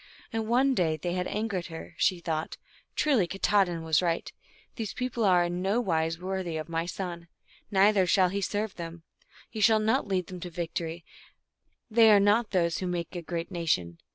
And one day when they had angered her, she thought, " Truly Katahdin was right ; these people are in nowise wor thy of my son, neither shall he serve them ; he shall not lead them to victory ; they are not of those who make a great nation."